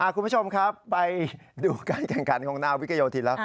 คุณผู้ชมครับไปดูการแข่งขันของนาวิกโยธินแล้ว